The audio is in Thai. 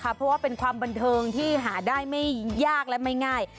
เพราะว่าเป็นความบันเทิงที่หาได้ไม่ยากและไม่ง่าย